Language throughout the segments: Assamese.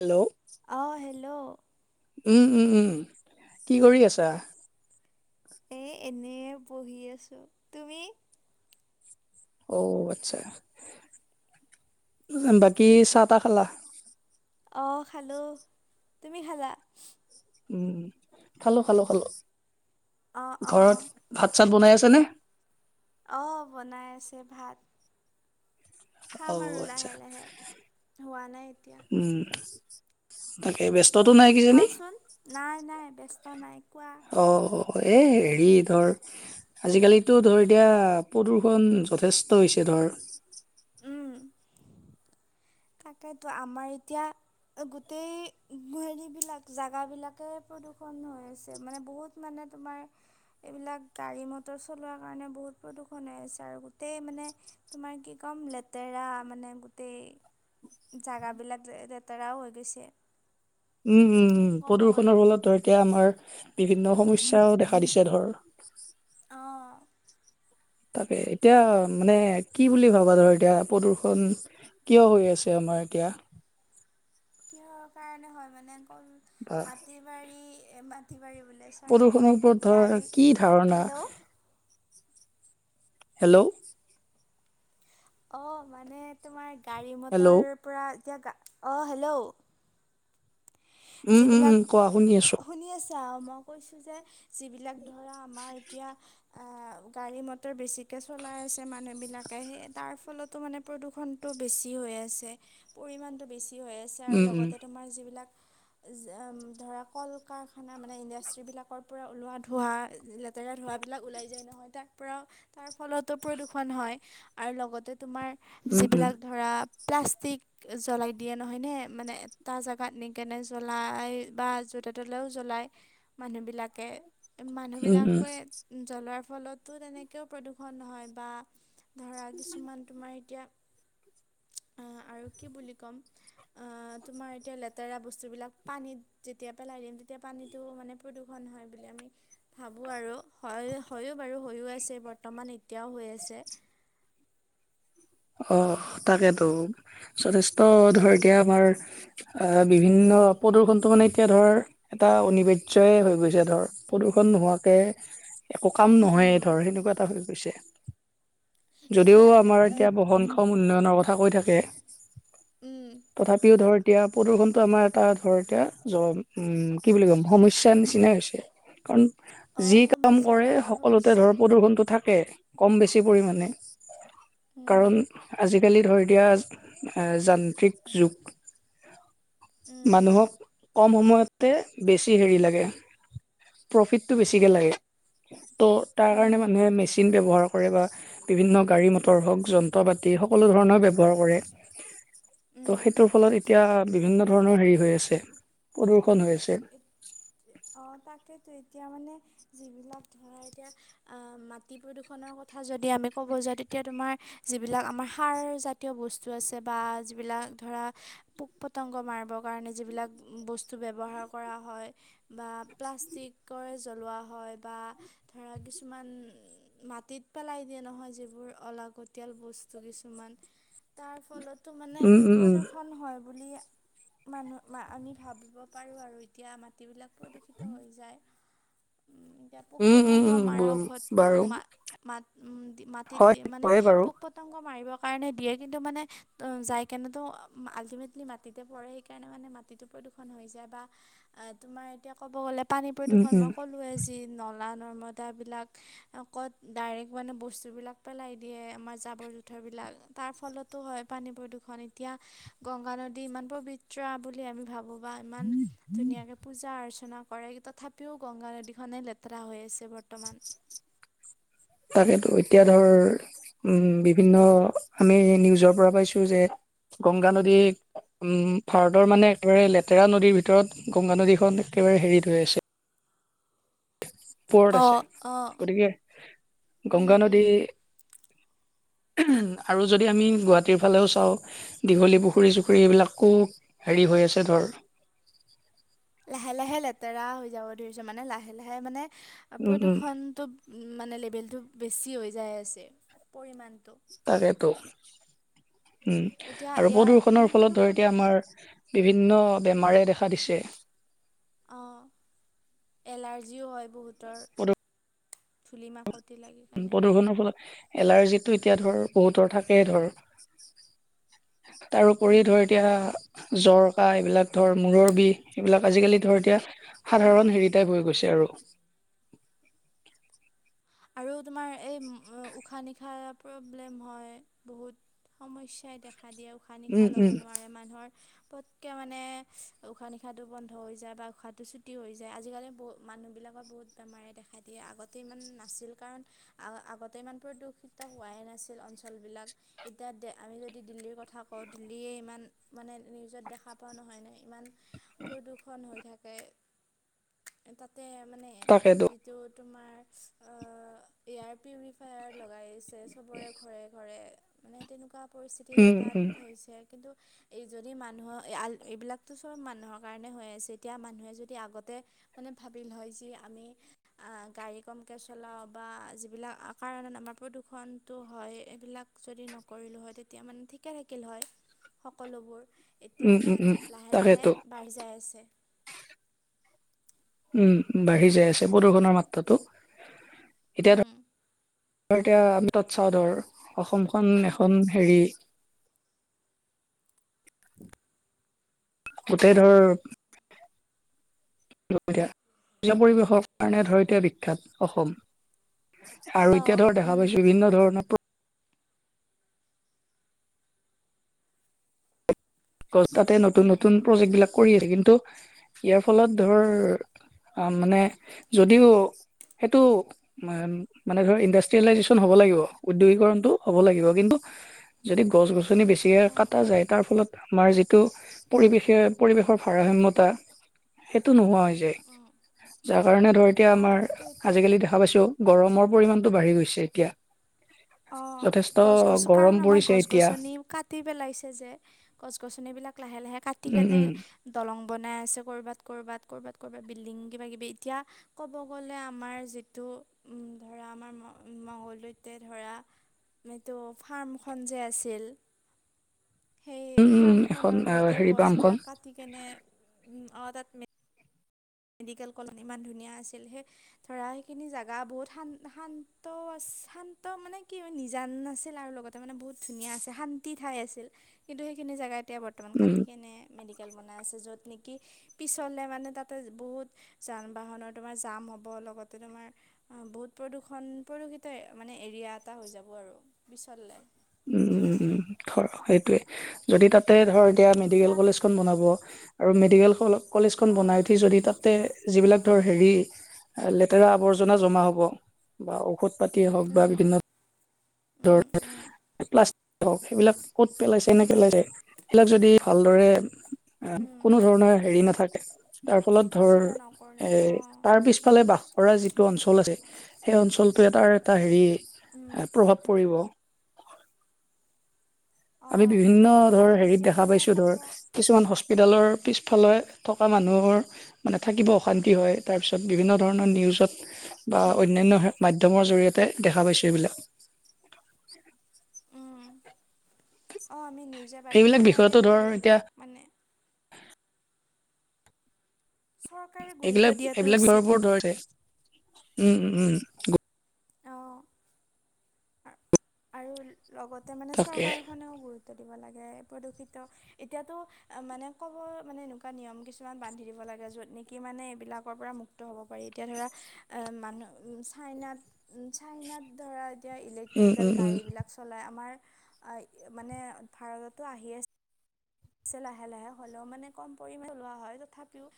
হেল্ল'। অ হেল্ল'। উম উম উম, কি কৰি আছা? এ এনেই বহি আছো, তুমি? অ আচ্ছা, বাকী চাহ তাহ খালা? অঁ খালোঁ, তুমি খালা? উম খালো খালো খালো, অঁ অঁ ঘৰত ভাত চাত বনাই আছেনে? অঁ বনাই আছো ভাত। খাম অ আৰু আচ্ছা, লাহে লাহে হোৱা নাই এতিয়া উম তাকে ব্যস্ত কোৱাচোন, নাই নাই ব্যস্ত নাই কোৱা। অঁ এই হেৰি ধৰ আজিকালিতো ধৰ এতিয়া প্ৰদূষণ যথেষ্ট হৈছে ধৰ। উম [unintelligible] তাকেতো আমাৰ এতিয়া, গোটেই গুৱাহাটীবিলাক জাগাবিলাকে প্ৰদূষণ হৈ আছে, মানে বহুত মানে তোমাৰ এইবিলাক গাড়ী মটৰ চলোৱাৰ কাৰণে বহুত প্ৰদূষণ হৈ আছে, আৰু গোটেই মানে তোমাৰ কি ক'ম লেতেৰা মানে গোটেই। জেগাবিলাক লেতেৰাও হৈ গৈছে। উম উম উম ক'ব গ'লে প্ৰদূষণৰ ফলত ধৰ এতিয়া আমাৰ বিভিন্ন সমস্যয়াও দেখা দিছে ধৰ। অঁ তাকে এতিয়া মানে কি বুলি ভাবা ধৰ এতিয়া প্ৰদূ্ষন কিয় হৈ আছে আমাৰ এতিয়া? কিহৰ কাৰণে হয় মানে অকল, বা মাটি বাৰী এ মাটি বাৰী বোলে চৰী প্ৰদূষণৰ ওপৰত ধৰ গাড়ী, কি ধাৰণা হেল্ল'। হেল্ল'। অ মানে তোমাৰ গাড়ী হেল্ল' মটৰৰ পৰা এতিয়া গা, অ হেল্ল' উম উম যিবিলাক উম কোৱা শুনি আছো। শুনি আছে, মই কৈছোঁ যে যিবিলাক ধৰা আমাৰ এতিয়া আহ গাড়ী মটৰ বেছিকে চলাই আছে মানুহ বিলাকে, সেই তাৰ ফলতো মানে প্ৰদূষণটো বেছি হৈ আছে, পৰিমাণটো বেছি হৈ আছে আৰু উম উম লগতে তোমাৰ যিবিলাক এজা এম ধৰা কল কাৰখানা মানে ইণ্ডাষ্ট্ৰীবিলাকৰ পৰা ওলোৱা ধোৱা লেত লেতেৰা ধোৱাবিলাক ওলাই যায় নহয় তাৰ পৰা তাৰ ফলতো প্ৰদূষণ হয়। আৰু লগতে তোমাৰ, উম উম যিবিলাক ধৰা প্লাষ্টিক জ্বলাই দিয়ে নহয়নে মানে এটা জেগাত নি কেনে জ্বলাই বা য'ত তলেও জ্বলায় মানুহবিলাকে। উম উম মানুহবিলাকে জ্বলোৱাৰ ফলতো তেনেকেও প্ৰদূষণ হয় বা ধৰা কিছুমান তোমাৰ এতিয়া অ আৰু কি বুলি ক'ম আহ তোমাৰ এতিয়া লেত- -তেৰা বস্তুবিলাক পানীত যেতিয়া পেলাই দিম তেতিয়া পানীটো মানে প্ৰদূষণ হয় বুলি আমি ভাবোঁ আৰু হয় হয়ো বাৰু, হয়ো আছে বৰ্তমান এতিয়াও হৈ আছে। অ তাকেতো যথেষ্ট ধৰ এতিয়া আমাৰ অ বিভিন্ন প্ৰদূ্ষনটো মানে এতিয়া ধৰ এটা অনিবাৰ্যই হৈ গৈছে ধৰ প্ৰদূষন নোহোৱাকে একো কাম নহয়েই উম ধৰ সেনেকুৱা এটা হৈ গৈছে যদিও এতিয়া আমাৰ এতিয়া বহনক্ষম উন্নয়নৰ কথা কৈ থাকে। উম তথাপিও ধৰ এতিয়া প্ৰদূষণটো আমাৰ এটা ধৰ এতিয়া জ উম কি বুলি কম সমস্যাৰ নিচিনাই হৈছে। কাৰণ অ যি কাম সমস্যা কৰে ডাঙৰ সকলোতে সমস্যা ধৰ প্ৰদূষনটো থাকে। থাকে কম বেছি পৰিমাণে। উম কাৰণ আজিকালি ধৰ এতিয়া আ যান্ত্ৰিক যুগ। উম মানুহক কম সময়তে বেছি হেৰি লাগে। প্ৰফিটটো বেছিকে লাগে ত' তাৰ কাৰণে উম মানুহে মেচিন ব্যৱহাৰ কৰে। কৰে বা বিভিন্ন গাড়ী মটৰ হওক যন্ত্ৰ পাতি সকলো ধৰণৰ ব্যৱহাৰ কৰে। ত' উম সেইটোৰ ফলত এতিয়া বিভিন্ন ধৰণৰ হেৰি হৈ আছে প্ৰদূ্ষন হৈ আছে। অ তাকেইতো এতিয়া মানে যিবিলাক ধৰা এতিয়া আ মাটি প্ৰদূষণৰ কথা যদি আমি ক'ব যাওঁ তেতিয়া তোমাৰ যিবিলাক আমাৰ সাৰ জা তিয় বস্তু আছে বা যিবিলাক ধৰা পোক পতংগ মাৰব কাৰণে যিবিলাক বস্তু ব্য ব্যৱহাৰ কৰা হয় বা প্লাষ্টিকই জ্বলোৱা হয় বা ধৰা কিছুমান মাটিত পেলাই দিয়ে নহয় যিবোৰ অলাগতিয়াল বস্তু কিছুমান। তাৰ ফলতো মানে উম, উম, প্ৰদূৰষণ হয় বুলি মানুহ আমি ভাবিব পাৰোঁ আৰু এতিয়া মাটিবিলাক প্ৰদূষিত হৈ যায় ওম এতিয়া পোক উম, উম, উম, পতংগ উম, মাৰা বম ঔষধটো বাৰু মা মাত মাটিত হয় দি মানে হয়ে বাৰু পোক পতংগ মাৰিবৰ কাৰণে দিয়ে কিন্তু মানে যাইকেনেতো আল্টিমেটলি মাটিতে পৰে সেইকাৰণে মানে মাটি টো প্ৰদূষণ হৈ যায় বা এ তোমাৰ এতিয়া ক'ব গ'লে পানী উম, প্ৰদূষণ উম, মই কলোঁ সকলোৱে যি নলা নৰ্মদাবিলাক অকত ডাইৰেক্ট মানে বস্তু বিলাক পেলাই দিয়ে আমাৰ জাবৰ জোথৰ বিলাক তাৰ ফলতো হয় পানী প্ৰদূৰষণ এতিয়া গংগা নদী ইমান পবিত্ৰ বুলি আমি ভাবোঁ। বা ইমান ধুনীয়াকে পূজা অৰ্চনা কৰে তথাপিও গংগা নদীখনেই লেতেৰা হৈ আছে বৰ্তমান। তাকেতো এতিয়া ধৰ উম বিভিন্ন আমি নিউজৰ পৰা পাইছো যে গংগা নদীক উম ভাৰতৰ মানে একেবাৰে লেতেৰা নদীৰ ভিতৰত গংগা নদীখন একেবাৰে হেৰিত হৈ আছে। ওপৰত আছে অ', অ', গতিকে উম, গংগা নদী উম, আৰু যদি আমি গুৱাহাটীৰ ফালেও চাওঁ দীঘলী পুখুৰী চুখুৰী এইবিলাকো হেৰি হৈ আছে ধৰ লাহে লাহে লেতেৰা হৈ যাব ধৰিছে মানে লাহে লাহে মানে উম, উম, প্ৰদূষণটো মানে লেভেলটো বেছি হৈ যায় আছে পৰিমাণটো। তাকেতো উম এতিয়া আৰু ইয়াৰ মানে প্ৰদূষনৰ ফলত ধৰ প্ৰদূষণ এতিয়া আমাৰ বিভিন্ন বেমাৰে দেখা দিছে। অঁ এলাৰ্জিও হয় বহুতৰ। প্ৰদূষণ ধূলি মাকতি লাগি পিনে। জীৱনৰ ফলত এলাৰ্জিটো এতিয়া ধৰ বহুতৰ থাকেই ধৰ। তাৰউপৰিও উম, ধৰ এতিয়া জৰ, কাঁহ এইবিলাক ধৰ মূৰৰ বিষ এইবিলাক আজিকালি ধৰ এতিয়া অ'। সাধাৰণ হেৰি টাইপ হৈ গৈছে আৰু। আৰু তোমাৰ এই উশাহ নিশাহ প্ৰব্লেম হয় বহুত। সমস্যাই দেখা দিয়ে উশাহ নিশাহ উম লব উম নোৱাৰে মানুহৰ পটকে মানে উশাহ নিশাহটো বন্ধ হৈ যায় বা উশাহটো ছুটি হৈ যায় আজিকালি ব মানুহবিলাকৰ বহুত বেমাৰে দেখা দিয়ে আগতে ইমান নাছিল কাৰণ আগতে ইমান প্ৰদূষিত হোৱাই নাছিল অঞ্চলবিলাক এতিয়া আমি যদি দিল্লীৰ কথা কওঁ দিল্লীয়ে ইমান মানে নিউজত দেখা পাওঁ নহয় ন ইমান প্ৰদূৰষন হৈ থাকে, তাতে মানে তাকেতো যিটো তোমাৰ এয়াৰ পিউৰিফায়াৰ লগাইছে চবৰে ঘৰে ঘৰে মানে তেনেকুৱা পৰিস্থিতি উম তাত উম হৈছে কিন্তু এই যদি মানুহৰ এইবিলাকতো চব মানুহৰ কাৰণে হৈ আছে এতিয়া মানুহে যদি আগতে মানে ভাবিল হয় যি আমি আহ গাড়ীখন চলাওঁ বা যিবিলাক কাৰণত আমাৰ প্ৰদূষণটো হয় এইবিলাক যদি নকৰিলো হয় তেতিয়া মানে ঠিকে থাকিল হয় সকলোবোৰ এতিয়া উম মানে উম উম লাহে লাহে তাকেতো বাঢ়ি যাই আছে। উম বাঢ়ি যাই আছে প্ৰদূষণৰ মাত্ৰাটো। এতিয়া ধৰ এতিয়া আমি তাত চাওঁ ধৰ অসমখন এখন হেৰি [unintelligible] গোটেই ধৰ পূজা পৰিৱেশৰ কাৰণে ধৰ এতিয়া বিখ্যাত অসম আৰু এতিয়া ধৰ দেখা অঁ পাইছো বিভিন্ন ধৰণৰ গছ কাতে নতুন উম নতুন প্ৰজেক্ট বিলাক কৰি আছে কিন্তু ইয়াৰ ফলত ধৰ আহ মানে যদিও সেইটো মানে ধৰ ইণ্ডাষ্ট্ৰিয়েলাইজেচন হব লাগিব উদ্যোগীকৰণটো হ'ব লাগিব কিন্তু যদি গছ গছনি বেছি হয় কাটা যায় তাৰ ফলত আমাৰ যিটো পৰিৱেশে পৰিৱেশৰ ভাৰসাম্যতা সেইটো নোহোৱা হৈ যায়। যাৰ কাৰণে ধৰ এতিয়া অ আমাৰ এইটোৱেইটো আজিকালি দে দেখা পাইছো গৰমৰ পৰিমাণটো বাঢ়ি গৈছে এতিয়া। অঁ যথেষ্ট গছ গছৰ কাৰণ গৰম আমাৰ পৰিছে গছ এতিয়া গছনি কা কাটি পেলাইছে যে গছ গছনিবিলাক লাহে লাহে কাটি উম কেনে উম দলং বনাই আছে ক'ৰবাত ক'ৰবাত ক'ৰবাত ক'ৰবাত বিল্ডিং কিব কিবি এতিয়া ক'ব গ'লে আমাৰ যিটো ধৰা আমাৰ মংগলদৈতে ধৰা এইটো ফাৰ্মখন যে আছিল। সেই উম উম এখন ফাৰ্মখনৰ গোটেই হেৰি পামখন গছবিলাক কাটি কেনে অ তাত মেডিকেল কলনীত ইমান ধুনীয়া আছিল সেই ধৰা সেইখিনি জাগা বহুত শান্ত শান্ত মানে কি নিজান আছিল আৰু লগ তে তাৰমানে বহুত ধুনীয়া আছে শান্তি ঠাই আছিল কিন্তু সেইখিনি জেগা এতিয়া বৰ্তমান বৰ্তমান উম কাটি কেনে মেডিকেল বনাই আছে যত নেকি পিছলে মানে তাত তে বহুত যান বাহনৰ তোমাৰ জাম হ'ব লগতে তোমাৰ বহুত প্ৰদূষণ প্ৰদূষিত মানে এৰিয়া এটা হৈ যাব আৰু পিচৰলে উম উম উম ধৰ সেইটোৱে যদি তাতে ধৰ এতিয়া মেডিকেল কলেজখন বনাব আৰু মেডিকেল কলেজখন অঁ বনাই উঠি যদি তাত যিবিলাক ধৰ হেৰি লেতেৰা আৱৰ্জনা জমা হ'ব বা ঔষধ ঔষধ পাতিয়ে হওঁক বা উম বিভিন্ন উম ধৰ উম প্লাষ্টিক হওঁ সেইবিলাক ক'ত পেলাইছে নে পেলাইছে সেইয়া যদি ভালদৰে উম কোনো ধৰণৰ হেৰি নাথাকে তাৰ ফলত চোৱা ধৰ চিতা নকৰে এৰ অঁ তাৰ পিছ ইফালে বাস কৰা যিটো অঞ্চল আছে, সেই অঞ্চলটোৱে এটাৰ এটা হেৰি উম। প্ৰভাৱ পৰিব। আমি অঁ বিভিন্ন ধৰ আৰু হেৰিত এতিয়া দেখা মানে পাইছোঁ ক'ব ধৰ। কিছুমান হস্পিটেলৰ পিছফালে থকা মানুহবোৰ মানে থাকিব অশান্তি হয়। তাৰপিছত বিভিন্ন ধৰণৰ নিউজত বা উম অন্যান্য মাধ্যমৰ জৰিয়তে দেখা পাইছোঁ এইবিলাক। অ আমি নিউজে এইবিলাক বাতৰিয়ে পায়ে বিষয়তো ধৰ থাকোঁ এতিয়া এইবিলাক মানে চৰকাৰে গুৰুত্ব এইবিলাক দিয়াটো এইবিলাক উচিত [unintelligible] উম উম উম। অঁ আৰু লগতে মানে তাকে চৰকাৰখনেও গুৰুত্ব দিব লাগে প্ৰদূষিত এতিয়াতো মানে ক'ব মানে এনেকুৱা নিয়ম কিছুমান বান্ধি দিব লাগে য'ত নেকি মানে এইবিলাকৰ পৰা মুক্ত মুক্ত হ'ব পাৰি। এতিয়া ধৰা এ‌ মানুহ চাইনাত চাইনাত ধৰা এতিয়া ইলেক উম লোকেল উম উম গাড়ী বিলাক চলে। আমাৰ আ মানে ভাৰতটো আহি আছে ছে লাহে লাহে হ'লেও মানে কম পৰিমানে চলোৱা হয় তথাপিওঁ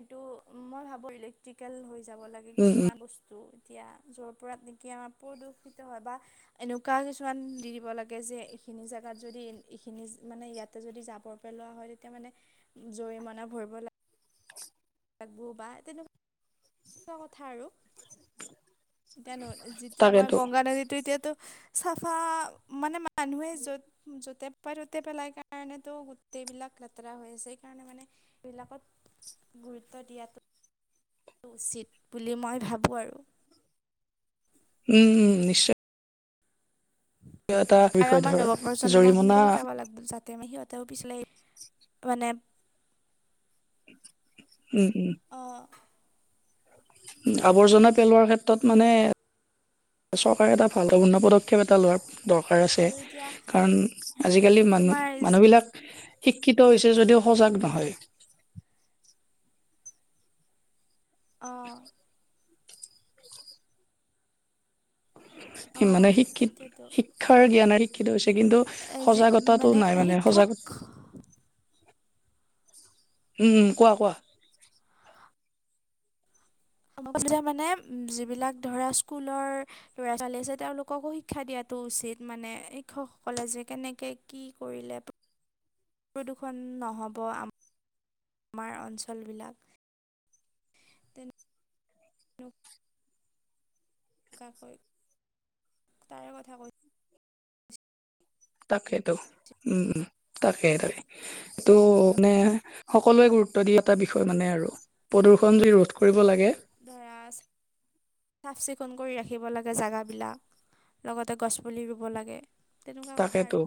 এইটো মই ভাবোঁ ইলেক্ট্ৰিকেল হৈ যাব লাগে উম উম কিছুমান বস্তু। এতিয়া য'ৰ পৰা নেকি আমাৰ প্ৰদূষিত হয় বা এনেকুৱা কিছুমান দি দিব লাগে যে এইখিনি জেগাত যদি এইখিনি মানে ইয়াত যদি জাঁবৰ পেলোৱা হয় তেতিয়া মানে জৰিমনা ভৰিব লা [unintelligible] তেনেকুৱা কথা আৰু। এতিয়া ন যিটো আমাৰ তাকেতো গংগা নদীটো এতিয়াতো চাফা মানে মানুহে য'ত য'তে পায় ত'তে পেলাই কাৰণেতো গোটেইবিলাক লেতেৰা হৈ আছে। সেই কাৰণে মানে এই বিলাকত গুৰুত্ব দিয়াতো উচিত বুলি মই ভাবোঁ আৰু। উম উম নিশ্চয় এটা আৰু বিষয় আমাৰ ধৰ নৱপ্ৰজন্ম জৰিমনা খিনিকো শিকাব লাগ যাতে মানে সিহঁতেও পিছিলে মানে উম উম। অ। আৱৰ্জনা পেলোৱাৰ ক্ষেত্ৰত মানে চৰকাৰে এটা ভালকৈ পদক্ষেপ এটা লোৱাৰ দৰকাৰ আছে আৰু এতিয়া কাৰণ আজিকালি মানুহ তোমাৰ মানুহবিলাক শিক্ষিত হৈছে যদিও সজাগ নহয়। অ। অঁ মানে শিক্ষিত সেইটোৱেতো শিক্ষাৰ জ্ঞানে শিক্ষিত হৈছে কিন্তু যি সজাগতাটো নাই মানে, শিক্ষক সজাগতা উম কোৱা কোৱা। [unintelligible] মানে যিবিলাক ধৰা স্কুলৰ ল'ৰা-ছোৱালী আছে তেওঁলোককো শিক্ষা দিয়াটো উচিত মানে শিক্ষকসকলে যে কেনেকে কি কৰিলে [inaudible] প্ৰদূষণ নহ'ব আম আমাৰ অঞ্চলবিলাক [inaudible] [unintelligible] তাৰে কথা কৈ তাকেইটো, কৈছোঁ উম, উম, তাকে, তাকে। এইটো মানে সকলোৱে আৰু গুৰুত্ব দিয়ে এটা বিষয় মানে আৰু, প্ৰদূষণ যদি ৰোধ কৰিব লাগে [unintelligible] চাফ-চিকুণ কৰি ৰাখিব লাগে জেগাবিলাক, লগতে গছ পুলি ৰুব লাগে। তেনেকুৱা কথা তাকেতো, আৰু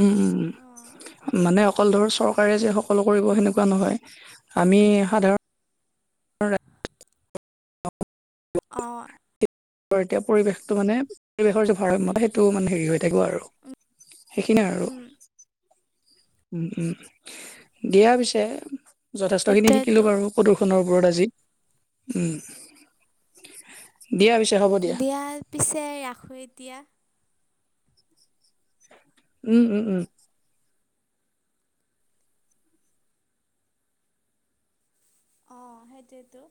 উম, উম, উম। অঁ মানে অকল ধৰ চৰকাৰে যে সকলো কৰিব সেনেকুৱা নহয়, আমি সাধাৰণ অঁ। আৰু এতিয়া পৰিৱেশটো মানে, পৰিৱেশৰ যে ভাৰসাম্য সেইটো মানে হেৰি হৈ থাকিব আৰু। সেইখিনিয়ে আৰু। উম উম, উম, দিয়া পিছে, যথেষ্টখিনি শিকিলো সেইটোৱেতো বাৰু। প্ৰদূষনৰ ওপৰত আজি, উম। দিয়া পিছে হ'ব। দিয়া পিছে, ৰাখোঁ এতিয়া। উম, উম, উম। অঁ, সেইটোৱেইতো।